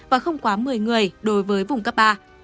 và không quá một mươi người đối với vùng cấp ba